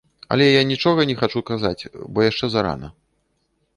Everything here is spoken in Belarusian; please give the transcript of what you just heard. Але я нічога не хачу казаць, бо яшчэ зарана.